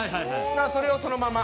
だからそれをそのまま。